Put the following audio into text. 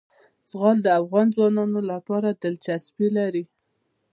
زغال د افغان ځوانانو لپاره دلچسپي لري.